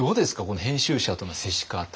この編集者との接し方。